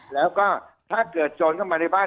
แล้วก็ถ้าเกิดโจรเข้ามาในบ้าน